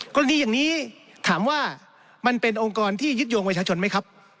กรณีอย่างนี้ถามว่ามันเป็นองค์กรที่ยึดโยงประชาชนไหมครับ